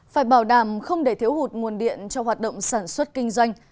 phải bảo đảm không để thiếu hụt nguồn điện cho hoạt động sản xuất kinh doanh